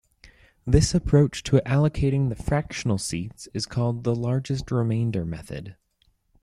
This approach to allocating the fractional seats is called the largest remainder method.